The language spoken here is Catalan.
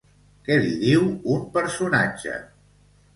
Què li diu un personatge?